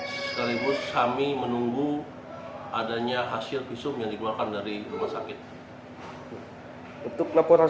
seribu kami menunggu adanya hasil visum yang dikembangkan dari rumah sakit untuk laporan